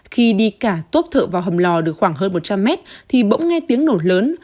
khi đi cả tốp thợ vào hầm lò được khoảng hơn một trăm linh mét thì bỗng nghe tiếng nổ lớn